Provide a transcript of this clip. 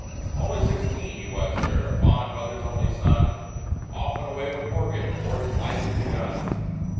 Only sixteen he was, sir a fond mother's only son Off and away with Morgan before his life has begun!